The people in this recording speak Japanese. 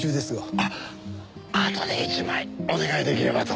あっあとで１枚お願いできればと。